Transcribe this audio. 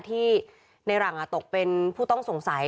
ที่ในหลังตกเป็นผู้ต้องสงสัย